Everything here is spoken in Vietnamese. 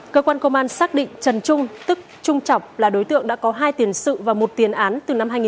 cơ quan công an xác định trần trung tức trung trọng là đối tượng đã có hai tiền sự và một tiền án từ năm hai nghìn một mươi